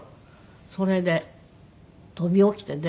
それで飛び起きてね